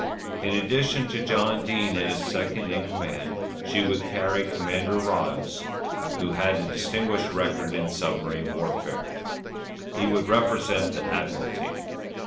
In addition to John Dene and his second in command, she would carry Commander Ryles, who had a distinguished record in submarine warfare. He would represent the Admiralty.